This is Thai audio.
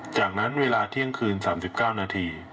จากนั้นเวลาเที่ยงคืน๓๙นาที